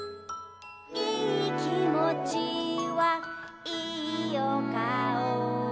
「いきもちはいおかお」